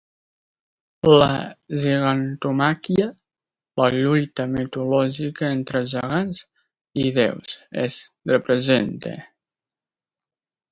La gigantomàquia, la lluita mitològica entre gegants i déus, es representa.